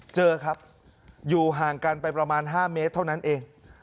เจอครับอยู่ห่างกันไปประมาณ๕เมตรเท่านั้นเอง